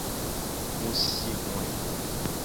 Mu si hoe.